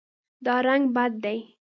دا رنګ بد دی